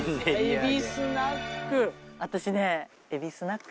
えびスナック。